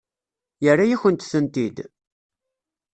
Yerra-yakent-tent-id?